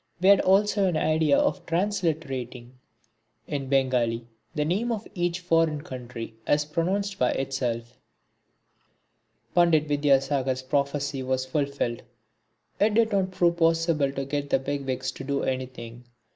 We had also an idea of transliterating in Bengali the name of each foreign country as pronounced by itself. Pandit Vidyasagar's prophecy was fulfilled. It did not prove possible to get the big wigs to do anything.